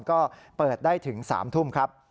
ก็เปิดได้ถึง๓ทุ่มครับ